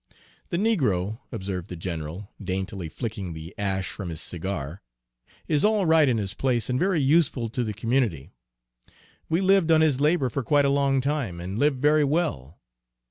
"The negro," observed the general, daintily flicking the ash from his cigar, "is all right in his place and very useful to the community. We lived on his labor for quite a long time, and lived very well.